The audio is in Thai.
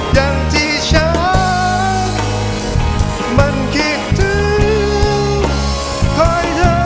อย่างที่ฉันมันคิดถึงคอยเธอ